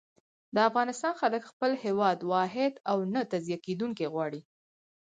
د افغانستان خلک خپل هېواد واحد او نه تجزيه کېدونکی غواړي.